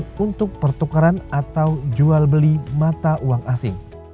untuk pertukaran atau jual beli mata uang asing